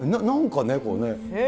なんかね、こうね。